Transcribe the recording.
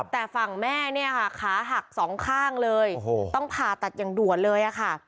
แต่ฝั่งแม่เนี่ยค่ะขาหักสองข้างเลยต้องผ่าตัดอย่างด่วนเลยค่ะ